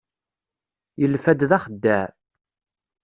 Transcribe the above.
Yelfa-d d axeddaɛ.